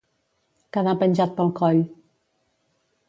Quedar penjat pel coll.